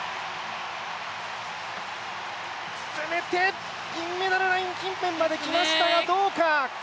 攻めて銀メダルラインまできましたが、どうだ？